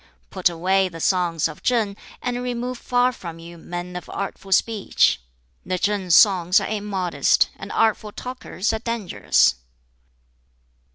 Put away the songs of Ch'ing, and remove far from you men of artful speech: the Ch'ing songs are immodest, and artful talkers are dangerous."